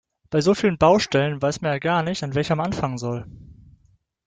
Bei so vielen Baustellen weiß man gar nicht, an welcher man anfangen soll.